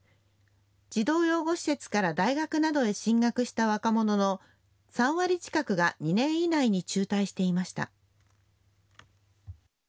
児童養護施設から大学などへ進学した若者の３割近くが２年以内に中退していました。